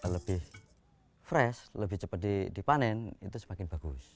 lebih fresh lebih cepat dipanen itu semakin bagus